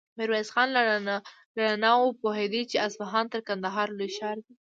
ميرويس خان له رڼاوو وپوهېد چې اصفهان تر کندهاره لوی ښار دی.